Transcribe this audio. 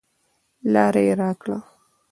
لاره یې راکړه.